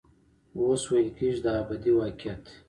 اوس ویل کېږي دا ابدي واقعیت دی.